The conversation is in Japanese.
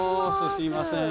すいません。